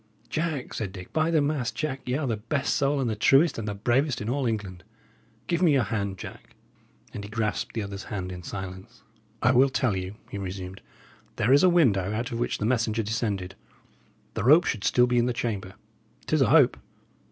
"Jack," said Dick, "by the mass, Jack, y' are the best soul, and the truest, and the bravest in all England! Give me your hand, Jack." And he grasped the other's hand in silence. "I will tell you," he resumed. "There is a window, out of which the messenger descended; the rope should still be in the chamber. 'Tis a hope."